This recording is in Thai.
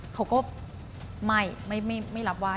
เขาก็ไม่ไม่รับว่าย